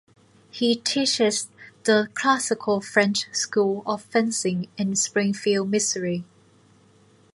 He teaches the classical French school of fencing in Springfield, Missouri.